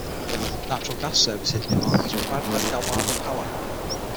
Natural gas service in Newark is provided by Delmarva Power.